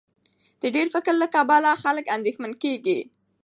د ډېر فکر له کبله خلک اندېښمن کېږي.